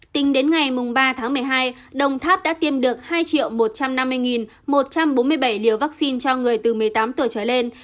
tính đến ngày ba tháng một mươi hai đồng tháp đã tiêm được hai một trăm năm mươi một trăm bốn mươi bảy liều vaccine cho người từ một mươi tám tuổi trở lên